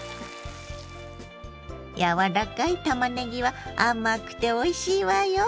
柔らかいたまねぎは甘くておいしいわよ。